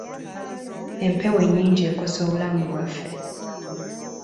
Empewo enyingi ekosa obulamu bwaffe.